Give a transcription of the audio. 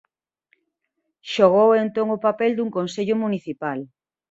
Xogou entón o papel dun consello municipal.